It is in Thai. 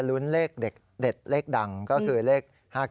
ลุ้นเลขเด็ดเลขดังก็คือเลข๕๙